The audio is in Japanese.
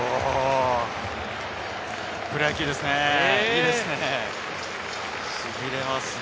プロ野球ですね。